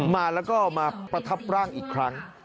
มาแล้วก็มาประทับร่างอีกครั้ง